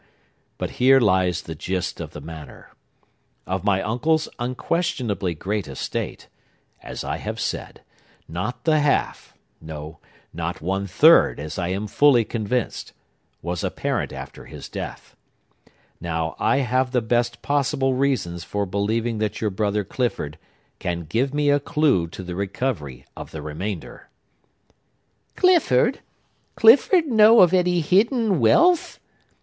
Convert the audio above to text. But here lies the gist of the matter. Of my uncle's unquestionably great estate, as I have said, not the half—no, not one third, as I am fully convinced—was apparent after his death. Now, I have the best possible reasons for believing that your brother Clifford can give me a clew to the recovery of the remainder." "Clifford!—Clifford know of any hidden wealth?